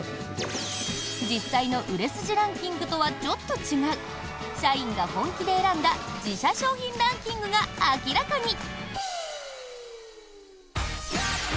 実際の売れ筋ランキングとはちょっと違う社員が本気で選んだ自社商品ランキングが明らかに。